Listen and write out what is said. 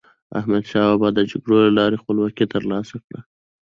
احمدشاه بابا د جګړو له لارې خپلواکي تر لاسه کړه.